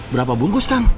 berapa bungkus kang